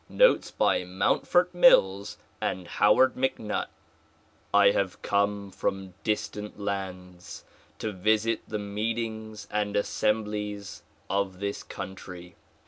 Notes by Mountfort MiUs and Howard MacNutt I HAVE come from distant lands to visit the meetings and assem blies of this country.